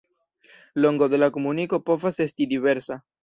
Longo de la komuniko povas esti diversa.